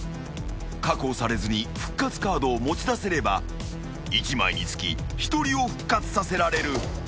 ［確保されずに復活カードを持ち出せれば１枚につき１人を復活させられる］